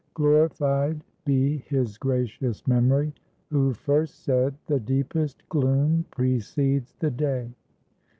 Glorified be his gracious memory who first said, The deepest gloom precedes the day.